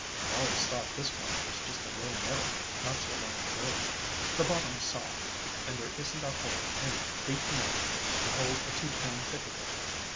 I always thought this one was just a low meadow not so long ago. The bottom 's soft, and there is n't a hole in it deep 'nough to hold a two pound pickerel.